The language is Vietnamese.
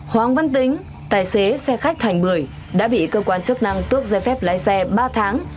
hoàng văn tính tài xế xe khách thành một mươi đã bị cơ quan chức năng tước giải phép lái xe ba tháng